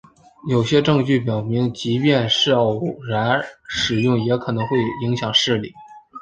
有些证据表明即便是偶尔使用也可能会影响视力。